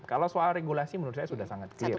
kalau soal regulasi menurut saya sudah sangat clear